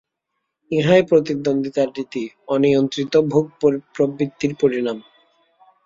ইহাই প্রতিদ্বন্দ্বিতার রীতি, অনিয়ন্ত্রিত ভোগপ্রবৃত্তির পরিণাম।